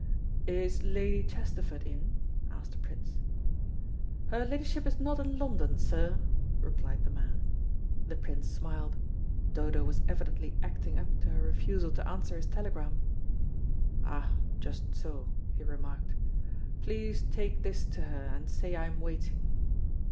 "Is Lady Chesterford in?" asked the Prince. "Her ladyship is not in London, sir," replied the man. The Prince smiled. Dodo was evidently acting up to her refusal to answer his telegram. "Ah, just so," he remarked. "Please take this to her, and say I am waiting."